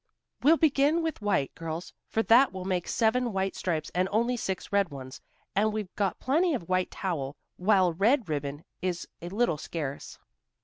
"We'll begin with white, girls, for that will make seven white stripes and only six red ones. And we've got plenty of white towel, while red ribbon is a little scarce."